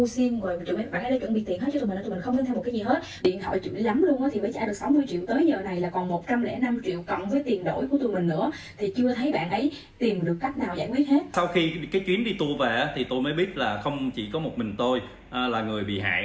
sau khi cái chuyến đi tour về thì tôi mới biết là không chỉ có một mình tôi là người bị hại